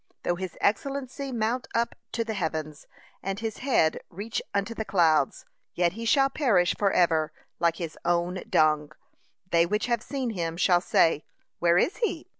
Though his excellency mount up to the heavens, and his head reach unto the clouds; yet he shall perish for ever, like his own dung: they which have seen him shall say, Where is he?